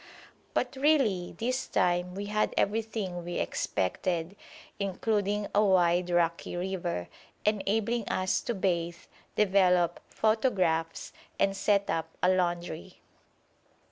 But really this time we had everything we expected, including a wide rocky river, enabling us to bathe, develop photographs, and set up a laundry.